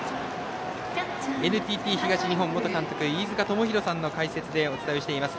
ＮＴＴ東日本元監督飯塚智広さんの解説でお伝えしております。